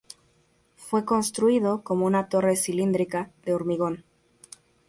Fue construido como una torre cilíndrica de hormigón.